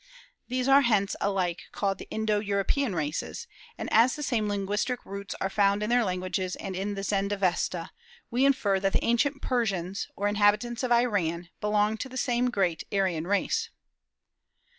These are hence alike called the Indo European races; and as the same linguistic roots are found in their languages and in the Zend Avesta, we infer that the ancient Persians, or inhabitants of Iran, belonged to the same great Aryan race.